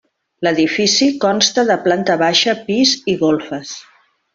L'edifici consta de planta baixa, pis i golfes.